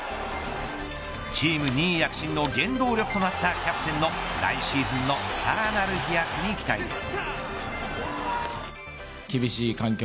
チーム２位躍進の原動力となったキャプテンの来シーズンのさらなる飛躍に期待です。